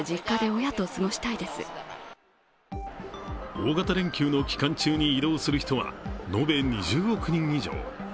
大型連休の期間中に移動する人は延べ２０億人以上。